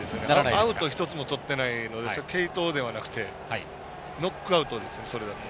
アウト１つもとってないので継投ではなくてノックアウトですよね、それだと。